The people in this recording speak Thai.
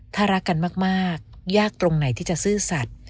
ถ้ารักกันมากยากตรงไหนที่จะซื่อสัตว์